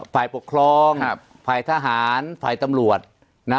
ฝ่ายปกครองฝ่ายทหารฝ่ายตำรวจนะ